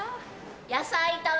野菜炒め。